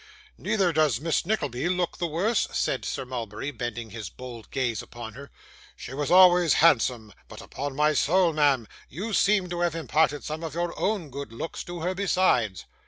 'Neither does Miss Nickleby look the worse,' said Sir Mulberry, bending his bold gaze upon her. 'She was always handsome, but upon my soul, ma'am, you seem to have imparted some of your own good looks to her besides.